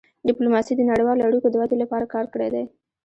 ډيپلوماسي د نړیوالو اړیکو د ودې لپاره کار کړی دی.